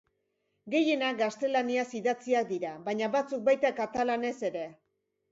Gehienak gaztelaniaz idatziak dira, baina batzuk baita katalanez ere.